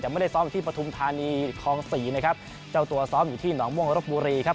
แต่ไม่ได้ซ้อมอยู่ที่ปฐุมธานีคลองสี่นะครับเจ้าตัวซ้อมอยู่ที่หนองม่วงรบบุรีครับ